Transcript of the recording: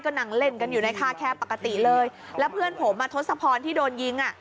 ก็นั่งเล่นกันอยู่ในท่าแคปกติเลยแล้วเพื่อนผมมาทดสะพรที่โดนยิง